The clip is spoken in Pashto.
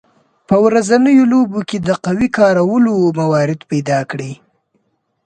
په ورځنیو لوبو کې د قوې د کارولو موارد پیداکړئ.